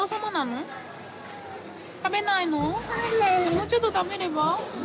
もうちょっと食べれば？